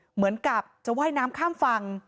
เหมือนกับจะว่ายน้ำข้ามฝั่ง